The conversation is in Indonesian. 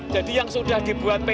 jika tidak perlu diadakan uji coba